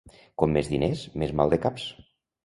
Com més diners, més maldecaps.